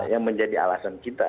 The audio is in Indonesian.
yang menjadi alasan kita